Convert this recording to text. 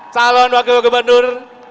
salon wakil wakil bandur